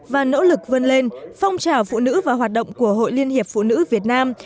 và nỗ lực vươn lên phong trào phụ nữ và hoạt động của hội liên hiệp phụ nữ việt nam